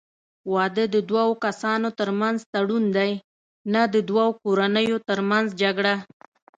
واده د دوه کسانو ترمنځ تړون دی، نه د دوو کورنیو ترمنځ جګړه.